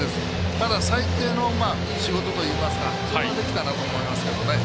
ただ、最低の仕事といいますかそれはできたなと思いますけどね。